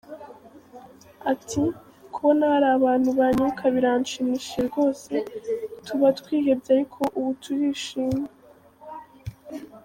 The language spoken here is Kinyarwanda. Ati “Kubona hari abantu banyibuka biranshimishije rwose, tuba twihebye ariko ubu turishimye.